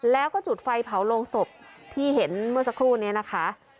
แล้วก็จุดไฟเผาโรงศพที่เห็นเมื่อสักครู่นี้นะคะ